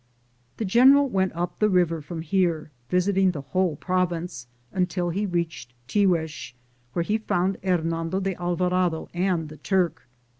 The general went up the river from here, visiting the whole province, until he reached Tiguex, where he found Hernando de Alva rado and the Turk.